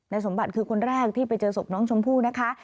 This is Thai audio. สมบัติคือคนแรกที่ไปเจอศพน้องชมพู่นะคะ